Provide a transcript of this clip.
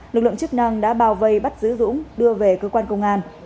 lực lượng chức năng đã bao vây bắt giữ dũng đưa về cơ quan công an